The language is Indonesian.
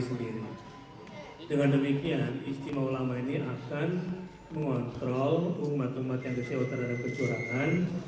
dengan demikian istimewa ulama ini akan mengontrol umat umat yang kecewa terhadap kecurangan